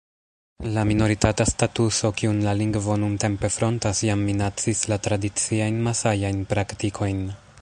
La minoritata statuso kiun la lingvo nuntempe frontas jam minacis la tradiciajn masajajn praktikojn.